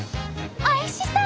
おいしそう！